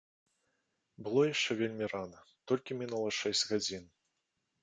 Было яшчэ вельмі рана, толькі мінула шэсць гадзін.